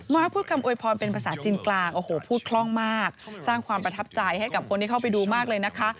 พูดคำโวยพรเป็นภาษาจีนกลางโอ้โหพูดคล่องมากสร้างความประทับใจให้กับคนที่เข้าไปดูมากเลยนะคะ